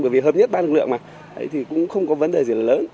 bởi vì hợp nhất ban lực lượng mà thì cũng không có vấn đề gì lớn